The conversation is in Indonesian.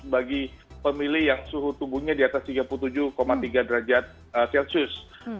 bagi pemilih yang suhu tubuhnya di atas tiga puluh tujuh tiga derajat celcius